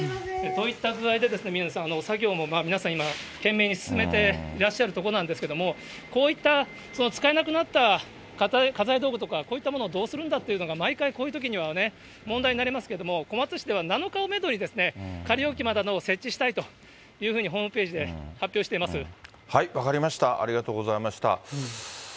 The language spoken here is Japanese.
といった具合で、宮根さん、作業も皆さん今、懸命に進めていらっしゃるところなんですけれども、こういった使えなくなった家財道具とか、こういったものをどうするんだというのが、毎回、こういうときには問題になりますけれども、小松市では、７日をメドに、仮置き場などを設置したいというふうに、分かりました、ありがとうございました。